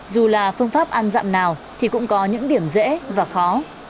dù là phương pháp ăn dặm nào thì cũng có những điểm dễ và khó